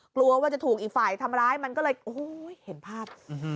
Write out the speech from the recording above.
กลัวว่าจะถูกอีกฝ่ายทำร้ายมันก็เลยโอ้โหเห็นภาพ